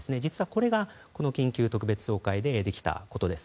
これが緊急特別総会でできたことです。